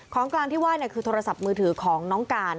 ของกลางที่ไหว้คือโทรศัพท์มือถือของน้องการ